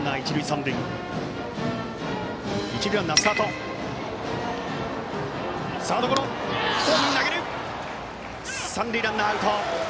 三塁ランナー、アウト！